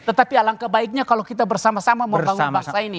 tetapi alangkah baiknya kalau kita bersama sama membangun bangsa ini